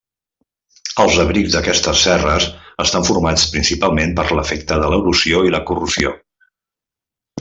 Els abrics d'aquestes serres estan formats principalment per l'efecte de l'erosió i la corrosió.